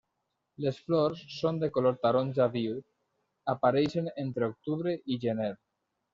Les flors són de color taronja viu, apareixen entre octubre i gener.